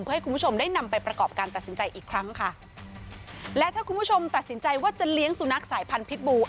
เพื่อให้คุณผู้ชมได้นำไปประกอบการตัดสินใจอีกครั้งค่ะและถ้าคุณผู้ชมตัดสินใจว่าจะเลี้ยงสุนัขสายพันธิ์บู